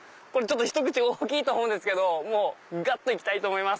ひと口大きいと思うんですけどガッ！と行きたいと思います。